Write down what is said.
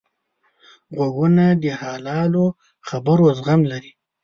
غوږونه د حلالو خبرو زغم لري